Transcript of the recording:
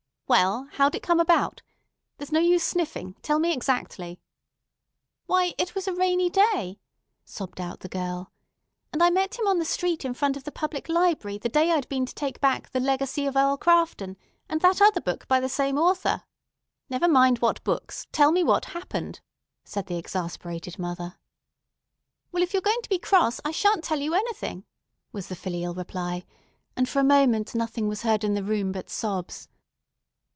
"Well, how'd it come about? There's no use sniffing. Tell me exactly." "Why, it was a rainy day," sobbed out the girl, "and I met him on the street in front of the public library the day I'd been to take back 'The Legacy of Earl Crafton,' and that other book by the same author——" "Never mind what books; tell me what happened," said the exasperated mother. "Well, if you're going to be cross, I sha'n't tell you anything," was the filial reply; and for a moment nothing was heard in the room but sobs.